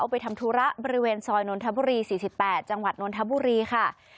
เขาไปทำธุระบริเวณซอยนวนทบุรี๔๘จนวนทบุรีค่ะ